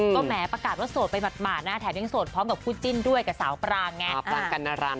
ก็แหมประกาศว่าโสดไปหมาดนะแถมยังโสดพร้อมกับคู่จิ้นด้วยกับสาวปรางไง